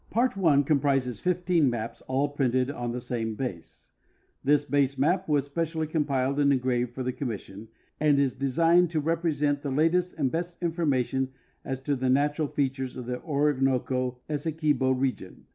Part I comprises 15 maps, all printed on the same l)a.se. This base maj) was specially compiled and engraved for the connnis sion. and is designed to represent the latest and best information as to the natural features of the Orinoco Essequibo region.